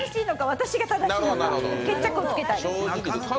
私が正しいのか決着をつけたい。